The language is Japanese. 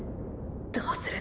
どうする！！